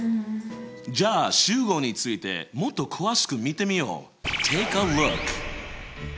じゃあ集合についてもっと詳しく見てみよう。